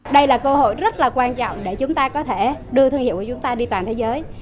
đây là cơ hội rất là quan trọng để chúng ta có thể đưa thương hiệu của chúng ta đi toàn thế giới